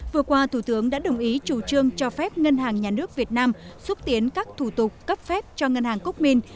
vừa qua thủ tướng đã đồng ý chủ trương cho phép ngân hàng nhà nước việt nam xúc tiến các thủ tục cấp phép cho ngân hàng quốc minh